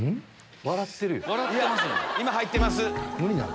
今入ってます。